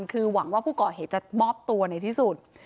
คือหวังว่าผู้ก่อเหตุจะมอบตัวในที่สุด